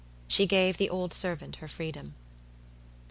She gave the old servant her freedom.